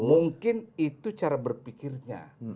mungkin itu cara berpikirnya